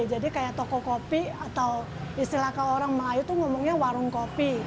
jadi kayak toko kopi atau istilah orang melayu itu ngomongnya warung kopi